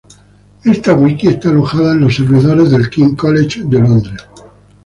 Esta Wiki está alojada en los servidores del King's College de Londres.